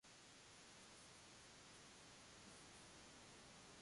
学部・学科経済学部商業学科